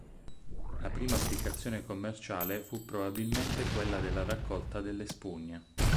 La prima applicazione commerciale fu probabilmente quella della raccolta delle spugne.